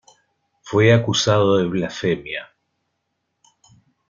Fue acusado de blasfemia.